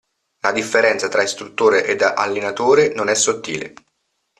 La differenza tra istruttore ed allenatore non è sottile.